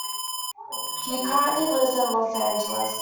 He currently lives in Los Angeles.